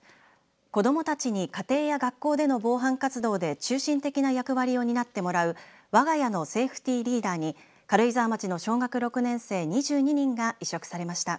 子どもたちに家庭や学校での防犯活動で中心的な役割を担ってもらうわが家のセーフティーリーダーに軽井沢町の小学６年生２２人が委嘱されました。